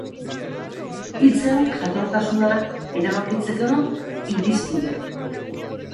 Hitzen jatortasuna erabakitzeko irizpideak.